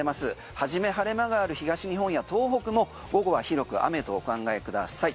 はじめ晴れ間がある東日本や東北も午後は広く雨とお考えください。